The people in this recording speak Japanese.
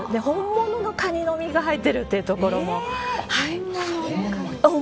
本物のカニの身が入っているというところも。